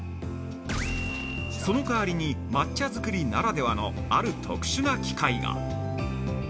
その代わりに、抹茶づくりならではの、ある特殊な機械が◆